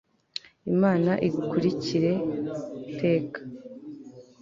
Imana igukurikire iteka